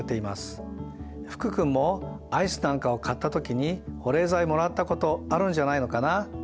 福君もアイスなんかを買った時に保冷剤もらったことあるんじゃないのかな？